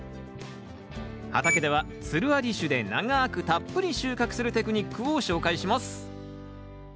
畑ではつるあり種で長くたっぷり収穫するテクニックを紹介します。